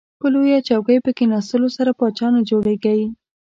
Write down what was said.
په لویه چوکۍ په کیناستلو سره پاچا نه جوړیږئ.